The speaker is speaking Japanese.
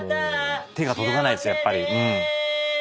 手が届かないですよやっぱり。